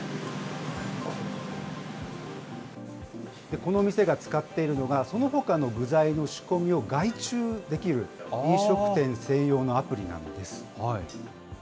このお店が使っているのが、そのほかの具材の仕込みを外注できる、飲食店専用のアプリなんです。